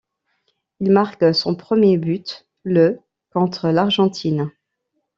Il marque son premier but, le contre l'Argentine.